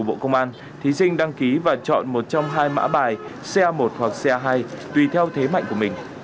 bộ công an thí sinh đăng ký và chọn một trong hai mã bài ca một hoặc ca hai tùy theo thế mạnh của mình